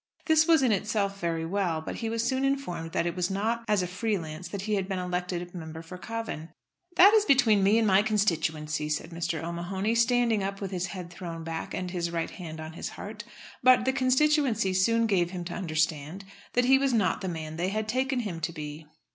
This was in itself very well, but he was soon informed that it was not as a free lance that he had been elected member for Cavan. "That is between me and my constituency," said Mr. O'Mahony, standing up with his head thrown back, and his right hand on his heart. But the constituency soon gave him to understand that he was not the man they had taken him to be.